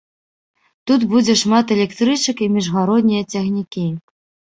Тут будзе шмат электрычак і міжгароднія цягнікі.